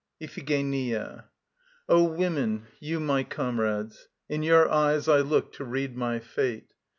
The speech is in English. IPHIGENIA. O women, you my comrades, in your eyes I look to read my fate.